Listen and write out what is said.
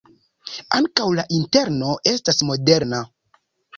Ankaŭ la interno estas moderna.